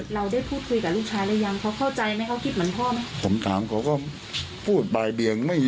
เราได้พูดคุยกับลูกชายแล้วยังเขาเข้าใจไหมเขาคิดเหมือนพ่อไหม